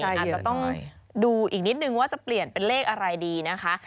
อาจจะต้องดูอีกนิดนึงว่าจะเปลี่ยนเป็นเลขอะไรดีนะคะ